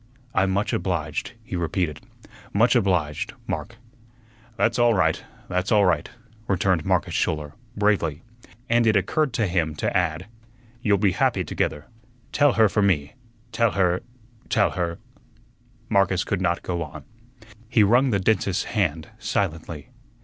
"I'm much obliged," he repeated; "much obliged, Mark." "That's all right, that's all right," returned Marcus Schouler, bravely, and it occurred to him to add, "You'll be happy together. Tell her for me tell her tell her " Marcus could not go on. He wrung the dentist's hand silently.